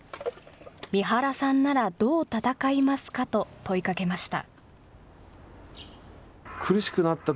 三原さんならどう戦いますかと問いかけました。